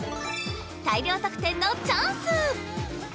大量得点のチャンス！